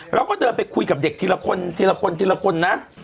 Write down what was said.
เราก็เดินไปคุยกับเด็กทีละคนนัด